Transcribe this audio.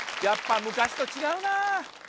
やっぱ昔と違うなあ